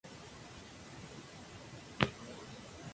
Desde el punto de vista religioso, es un centro de hinduismo y del islam.